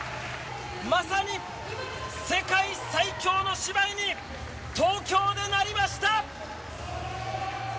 まさに世界最強の姉妹に東京でなりました！